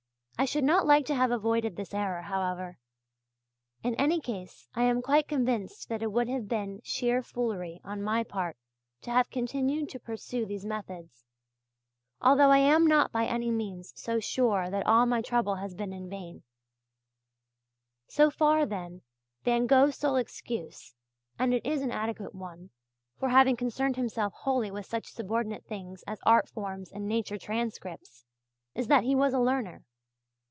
I should not like to have avoided this error, however. "In any case I am quite convinced that it would have been sheer foolery on my part to have continued to pursue these methods although I am not by any means so sure that all my trouble has been in vain" (p. 30). So far, then, Van Gogh's sole excuse and it is an adequate one for having concerned himself wholly with such subordinate things as art forms and nature transcripts, is that he was a learner.